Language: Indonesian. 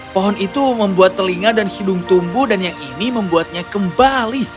pohon itu membuat telinga dan hidung tumbuh dan yang ini membuatnya kembali